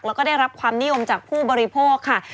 แล้วก็ได้รับความนิยมจากผู้บริโภคค่ะ